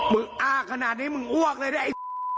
มึงอ้าขนาดนี้มึงอ้วกเลยไอ้